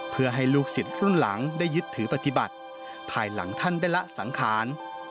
เพื่อให้ลูกศิษย์รุ่นหลังได้ยึดถือปฏิบัติภายหลังท่านได้ละสังขาร